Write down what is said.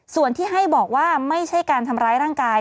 ส่วนที่ให้บอกว่าไม่ใช่การทำร้ายร่างกาย